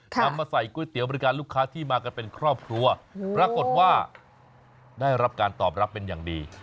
นำมาใส่ก๋วยเตี๋ยวบริการลูกค้าที่มากันเป็นครอบครัวปรากฏว่าได้รับการตอบรับเป็นอย่างดี